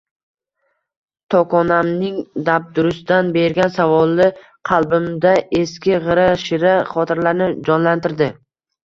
Tokonamining dabdurustdan bergan savoli qalbimda eski, g`ira-shira xotiralarni jonlantirdi